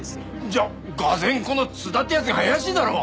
じゃあ俄然この津田って奴が怪しいだろ！